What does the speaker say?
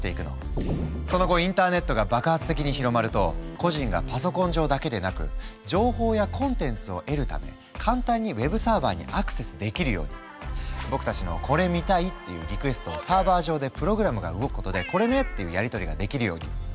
その後インターネットが爆発的に広まると個人がパソコン上だけでなく情報やコンテンツを得るため簡単にウェブサーバーにアクセスできるように僕たちの「これ見たい」っていうリクエストをサーバー上でプログラムが動くことで「これね」っていうやり取りができるように。